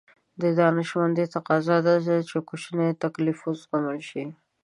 دانشمندي تقاضا دا ده چې کوچنی تکليف وزغمل شي.